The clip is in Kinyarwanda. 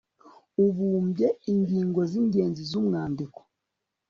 ubumbye ingingo z ingenzi z umwandiko